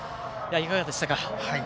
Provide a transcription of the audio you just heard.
いかがでしたか？